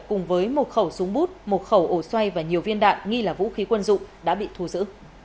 cùng với một khẩu súng bút một khẩu ổ xoay và nhiều viên đạn nghi là vũ khí quân dụng đã bị thu giữ